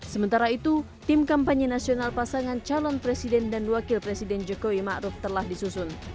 sementara itu tim kampanye nasional pasangan calon presiden dan wakil presiden jokowi ⁇ maruf ⁇ telah disusun